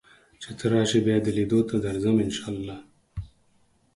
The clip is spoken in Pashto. چې ته راشې بیا دې لیدو ته درځم ان شاء الله